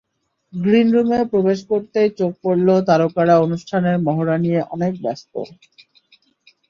গ্রিনরুমে প্রবেশ করতেই চোখে পড়ল তারকারা অনুষ্ঠানের মহড়া নিয়ে অনেক ব্যস্ত।